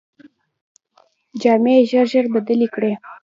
جامې یې ژر ژر بدلې کړې.